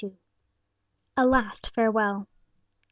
A LAST FAREWELL.